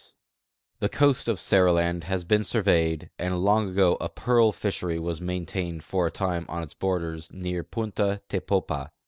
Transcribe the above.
132 SERILAXD The coast of Seriland has been surveyed, and long ago a pearl fishery was maintained for a time on its borders near Punta Tej)opa.